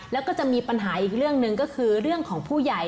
แล้วก็จะมีปัญหาอีกเรื่องหนึ่งก็คือเรื่องของผู้ใหญ่